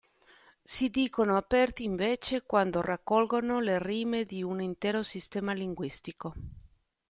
Si dicono aperti, invece, quando raccolgono le rime di un intero sistema linguistico.